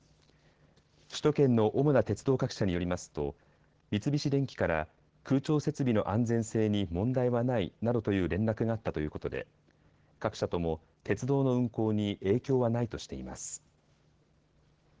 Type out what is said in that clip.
首都圏の主な鉄道各社によりますと三菱電機から空調設備の安全性に問題はないなどという連絡があったということで各社とも鉄道の運行に影響はないとしています。